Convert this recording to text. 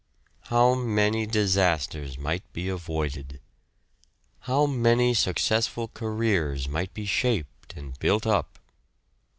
How many disasters might be avoided! How many successful careers might be shaped and built up!